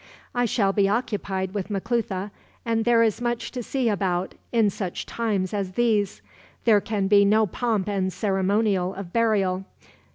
"I shall be occupied with Maclutha, and there is much to see about, in such times as these. There can be no pomp and ceremonial of burial.